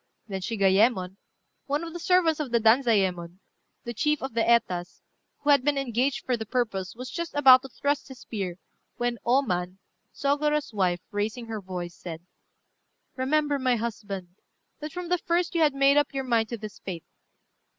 Then Shigayémon, one of the servants of Danzayémon, the chief of the Etas, who had been engaged for the purpose, was just about to thrust his spear, when O Man, Sôgorô's wife, raising her voice, said "Remember, my husband, that from the first you had made up your mind to this fate.